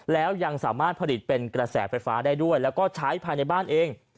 แล้วยังสามารถผลิตเป็นกระแสไฟฟ้าได้ด้วยแล้วก็ใช้ภายในบ้านเอง